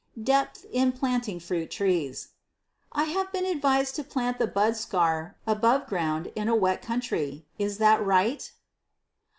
Depth in Planting Fruit Trees. I have been advised to plant the bud scar above ground in a wet country. Is that right?